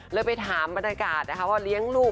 ไปถามบรรยากาศนะคะว่าเลี้ยงลูก